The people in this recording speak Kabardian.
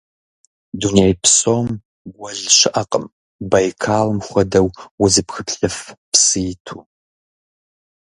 Дуней псом гуэл щыӀэкъым Байкалым хуэдэу узыпхыплъыф псы иту.